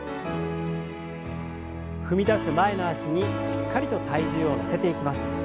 踏み出す前の脚にしっかりと体重を乗せていきます。